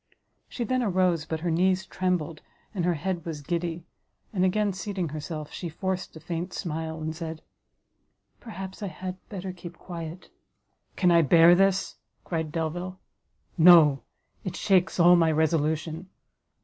She then arose, but her knees trembled, and her head was giddy, and again seating herself, she forced a faint smile, and said, "Perhaps I had better keep quiet." "Can I bear this!" cried Delvile, "no, it shakes all my resolution!